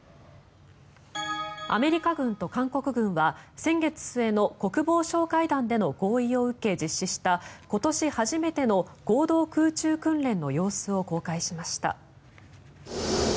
アメリカ軍と韓国軍は先月末の国防相会談での合意を受け、実施した今年初めての合同空中訓練の様子を公開しました。